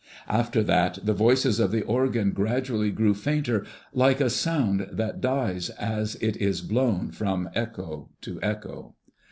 After that the voices of the organ gradually grew fainter like a sound that dies as it is blown from echo to echo.